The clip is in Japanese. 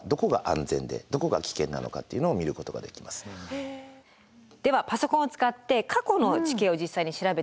割とではパソコンを使って過去の地形を実際に調べてみます。